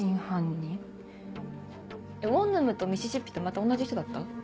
「をんぬむ」と「ミシシッピ」とまた同じ人だった？